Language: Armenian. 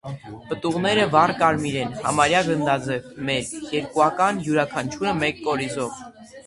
Պտուղները վառ կարմիր են, համարյա գնդաձև, մերկ, երկուական, յուրաքանչյուրը մեկ կորիզով։